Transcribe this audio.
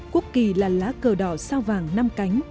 quốc kỳ là lá cờ đỏ sao vàng năm cánh